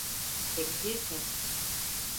Seksisin.